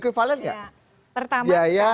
equivalent gak pertama ya ya